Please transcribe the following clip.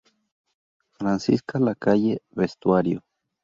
Francisca Lacalle: Vestuario.